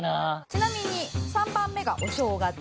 ちなみに３番目がお正月。